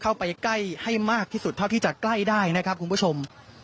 เข้าไปใกล้ให้มากที่สุดเท่าที่จะใกล้ได้นะครับคุณผู้ชม